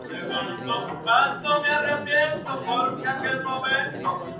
El antiguo distrito fue absorbido por el nuevo distrito administrativo de Alta Argovia.